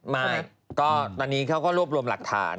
ไม่ก็ตอนนี้เขาก็รวบรวมหลักฐาน